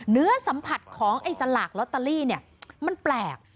เนื้อสัมผัสของการสลากยาวตาลีเนี่ยมันแปลก